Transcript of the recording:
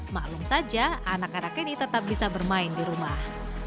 maklum saja anak anak ini tetap bisa bermain di rumah